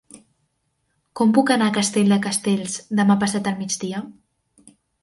Com puc anar a Castell de Castells demà passat al migdia?